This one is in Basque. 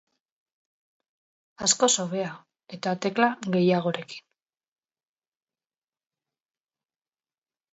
Askoz hobea eta tekla gehiagorekin.